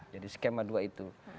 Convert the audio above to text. jadi skema dua itu